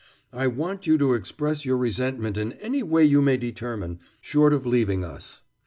I want you to express your resentment in any way you may determine, short of leaving us.